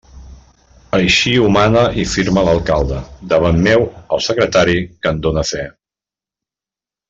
Així ho mana i firma l'alcalde, davant meu, el secretari, que en done fe.